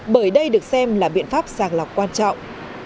bởi đây được xem là biện pháp sàng lọc quan trọng